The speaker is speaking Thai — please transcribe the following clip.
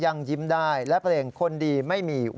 นายยกรัฐมนตรีพบกับทัพนักกีฬาที่กลับมาจากโอลิมปิก๒๐๑๖